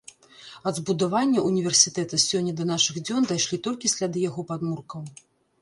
Ад збудаванняў універсітэта сёння да нашых дзён дайшлі толькі сляды яго падмуркаў.